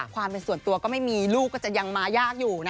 ความเป็นส่วนตัวก็ไม่มีลูกก็จะยังมายากอยู่นะ